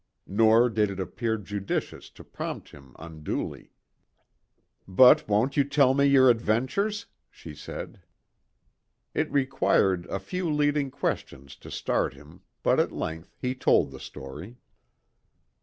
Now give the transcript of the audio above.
Nor did it appear judicious to prompt him unduly. "But won't you tell me your adventures?" she said. It required a few leading questions to start him, but at length he told the story.